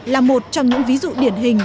là một trong những ví dụ điển hình